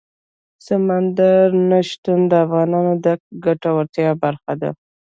سمندر نه شتون د افغانانو د ګټورتیا برخه ده.